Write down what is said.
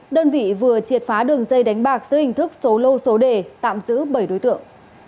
đơn vị vừa triệt phá đường dây đánh bạc dưới hình thức số lô số đề tạm giữ bảy đối tượng